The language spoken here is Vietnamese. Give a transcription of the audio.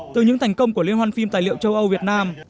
từ những thành công của liên hoan phim tài liệu châu âu việt nam